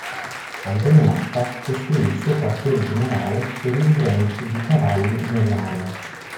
Antonio Matta costruì il suo quartier generale per il ranch di cavalli nell'area.